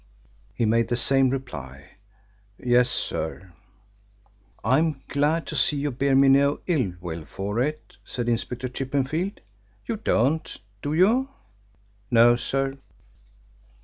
He made the same reply: "Yes, sir." "I'm glad to see you bear me no ill will for it," said Inspector Chippenfield. "You don't, do you?" "No, sir."